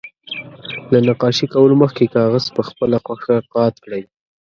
له نقاشي کولو مخکې کاغذ په خپله خوښه قات کړئ.